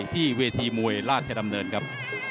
ที่เวทีมวยราชดำเนินครับ